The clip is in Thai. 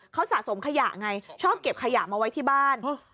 เขาสะสมขยะไงชอบเก็บขยะมาไว้ที่บ้าน